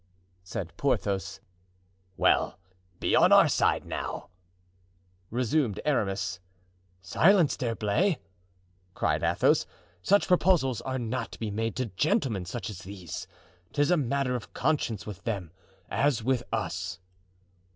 said Porthos. "Well, be on our side now," resumed Aramis. "Silence, D'Herblay!" cried Athos; "such proposals are not to be made to gentlemen such as these. 'Tis a matter of conscience with them, as with us."